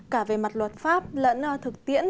cả về mặt luật pháp lẫn thực tiễn